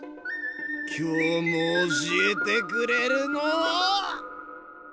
今日も教えてくれるのは。